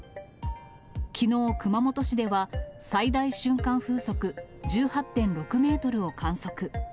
きのう、熊本市では、最大瞬間風速１８．６メートルを観測。